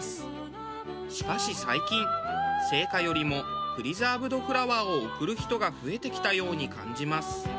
しかし最近生花よりもプリザーブドフラワーを贈る人が増えてきたように感じます。